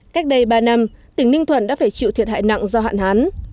cách đây ba năm tỉnh ninh thuận đã phải chịu thiệt hại nặng do hạn hán